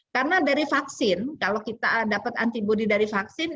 karena dari vaksin kalau kita dapat antibody dari vaksin